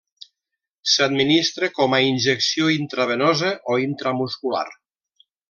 S'administra com a injecció intravenosa o intramuscular.